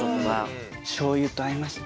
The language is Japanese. しょう油と合いますね。